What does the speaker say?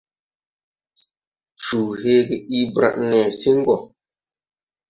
Cuu heege ii brad nesiŋ gɔ.